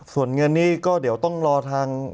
ส่วนเงินนี้ก็เดี๋ยวต้องรอทาง